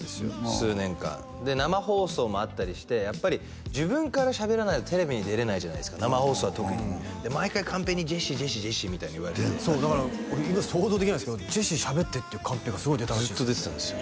数年間で生放送もあったりしてやっぱり自分からしゃべらないとテレビに出れないじゃないですか生放送は特にで毎回カンペに「ジェシージェシージェシー」みたいに言われてそうだから俺今想像できないですけど「ジェシーしゃべって」ってカンペがずっと出てたんですよ